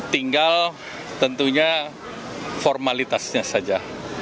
tinggal tentunya formalitasnya saja